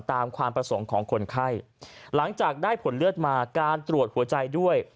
ความประสงค์ของคนไข้หลังจากได้ผลเลือดมาการตรวจหัวใจด้วย